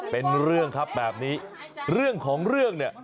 เป็นเรื่องครับแบบนี้เรื่องของเรื่องเนี่ย